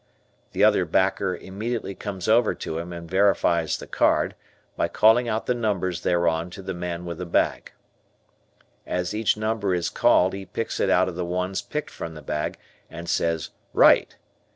The other backer immediately comes over to him and verifies the card, by calling out the numbers thereon to the man with the bag. As each number is called he picks it out of the ones picked from the bag and says, "Right."